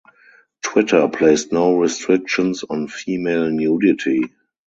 Twitter placed no restrictions on female nudity.